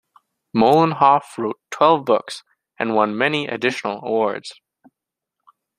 Mollenhoff wrote twelve books and won many additional awards.